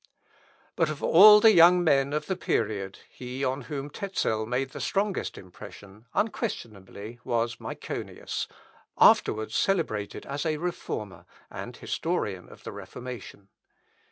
But of all the young men of the period, he on whom Tezel made the strongest impression unquestionably was Myconius, afterwards celebrated as a Reformer, and historian of the Reformation.